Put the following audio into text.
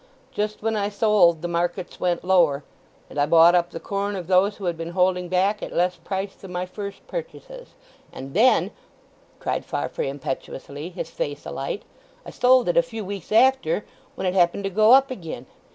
Just when I sold the markets went lower, and I bought up the corn of those who had been holding back at less price than my first purchases. And then," cried Farfrae impetuously, his face alight, "I sold it a few weeks after, when it happened to go up again!